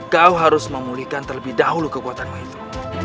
kau harus memulihkan terlebih dahulu kekuatanmu itu